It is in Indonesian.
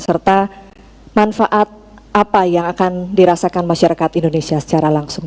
serta manfaat apa yang akan dirasakan masyarakat indonesia secara langsung